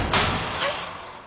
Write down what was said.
はい！